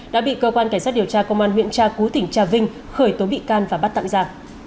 đã bị cơ quan cảnh sát điều tra công an huyện tra cú tỉnh trà vinh khởi tố bị can và bắt tạm giả